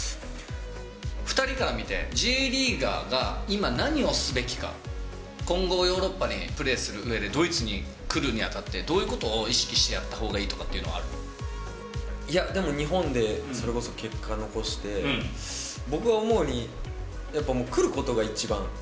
２人から見て、Ｊリーガーが今、何をすべきか、今後、ヨーロッパでプレーするうえで、ドイツに来るにあたって、どういうことを意識してやったほうがいいや、でも日本でそれこそ結果を残して、僕が思うに、やっぱもう来ることが一番。